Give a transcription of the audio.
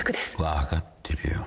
分かってるよ。